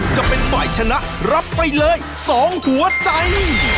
จะเป็นฝ่ายชนะรับไปเลย๒หัวใจ